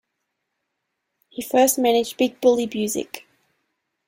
He first managed Big Bully Busick.